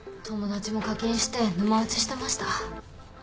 友達も課金して沼落ちしてました。